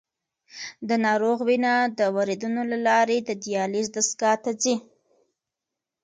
د ناروغ وینه د وریدونو له لارې د دیالیز دستګاه ته ځي.